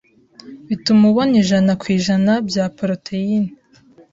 bituma ubona ijana kw’ijana bya poroteyine